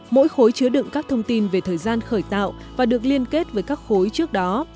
mỗi khối chứa đựng các thông tin về thời gian khởi tạo và được liên kết với các khối trước đó